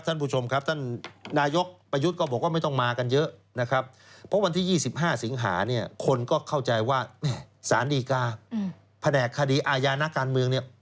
สุดท้ายแล้วจริงไม่ใช่นะครับ